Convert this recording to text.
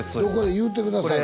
言うてくださいよ